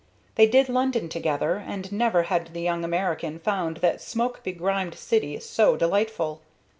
They did London together, and never had the young American found that smoke begrimed city so delightful.